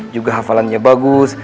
juga hafalannya bagus